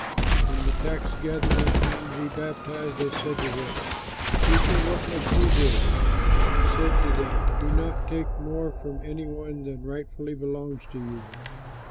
When the tax gatherers came to be baptized, they said to him, "Teacher, what must we do?" He said to them, "Do not take more from any one than rightfully belongs to you."